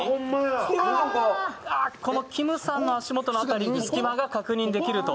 きむさんの足元の辺りに隙間が確認できると。